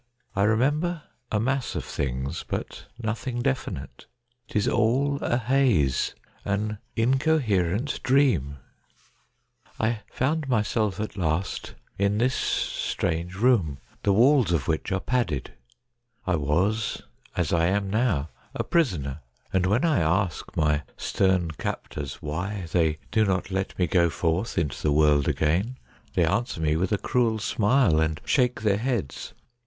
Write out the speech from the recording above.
I remember a mass of things, but no thing definite. 'Tis all a haze, an incoherent dream. K 2 132 STORIES WEIRD AND WONDERFUL I found myself at last in this strange room, the walls of which are padded. I was, as I am now, a prisoner ; and when I ask my stern captors why they do not let me go forth into the world again, they answer me with a cruel smile, and shake their heads.